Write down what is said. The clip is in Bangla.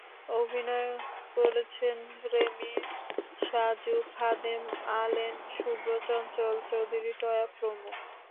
অভিনয় করেছেন রেমী, সাজু খাদেম, অ্যালেন শুভ্র, চঞ্চল চৌধুরী, টয়া প্রমুখ।